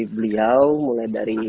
beliau mulai dari